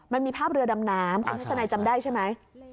มันมีภาพเรือดำน้ำคุณทัศนัยจำได้ใช่ไหม